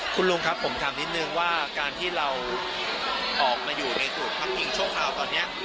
คุณลุงครับผมถามนิดนึงว่าการที่เราออกมาอยู่ในสูตรพักพิงชั่วคราวตอนนี้